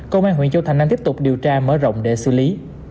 công an huyện châu thành đang tiếp tục điều tra mở rộng để xử lý